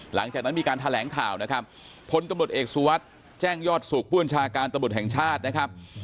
หลังจากนั้นมีการแถลงข่าวนะครับพลตำรวจเอกสุวัสดิ์แจ้งยอดสุขผู้บัญชาการตำรวจแห่งชาตินะครับ